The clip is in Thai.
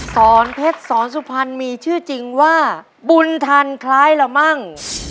สอนเพชรสอนสุพรรณมีชื่อจริงว่าบุญทันคล้ายละมั่ง